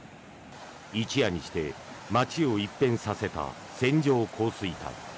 一夜にして街を一変させた線状降水帯。